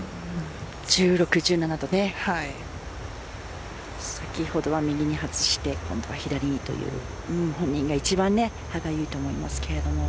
１６、１７と先ほどは右に外して今度は左にという本人が一番歯がゆいと思いますけれど。